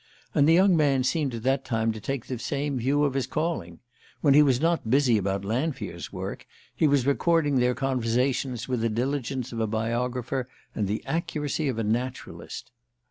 And the young man seemed at that time to take the same view of his calling. When he was not busy about Lanfear's work he was recording their conversations with the diligence of a biographer and the accuracy of a naturalist.